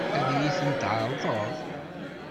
Ad iyi-tent-tɛeṛḍeḍ?